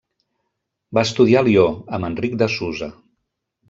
Va estudiar a Lió, amb Enric de Susa.